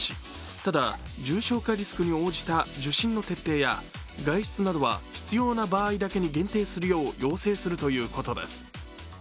ただ、重症化リスクに応じた受診の徹底や外出などは必要な場合だけに限定するよう要請するということです。